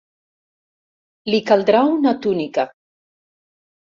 Li caldrà una túnica.